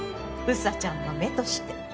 ウサちゃんの目として